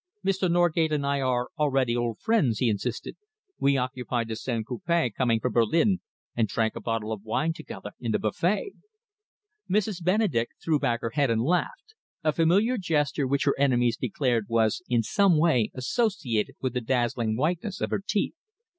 "Mr. Norgate and I are already old friends," he insisted. "We occupied the same coupe coming from Berlin and drank a bottle of wine together in the buffet." Mrs. Benedek threw back her head and laughed, a familiar gesture which her enemies declared was in some way associated with the dazzling whiteness of her teeth.